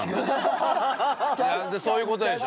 そういう事でしょ？